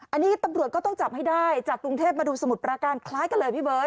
อันนี้ตำรวจก็ต้องจับให้ได้จากกรุงเทพมาดูสมุทรปราการคล้ายกันเลยพี่เบิร์